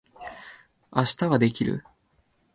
明日はできる？